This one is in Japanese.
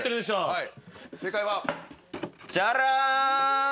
はい。